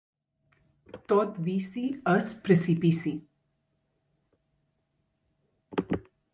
Tot vici és precipici.